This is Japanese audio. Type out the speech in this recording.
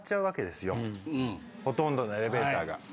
ほとんどのエレベーターが。